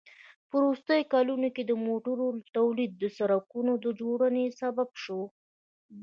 په وروستیو کلونو کې د موټرونو تولید د سړکونو د جوړونې سبب شو.